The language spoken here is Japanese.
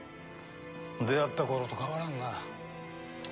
出会った頃と変わらんな。